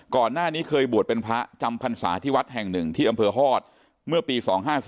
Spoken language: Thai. ก่อนหน้านี้เคยบวชเป็นพระจำพรรษาที่วัดแห่งหนึ่งที่อำเภอฮอตเมื่อปี๒๕๔